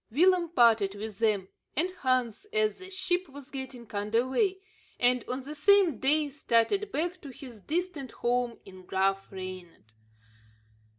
Willem parted with them and Hans as the ship was getting "under way," and, on the same day, started back to his distant home in Graaf Reinet.